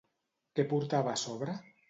Què portava a sobre?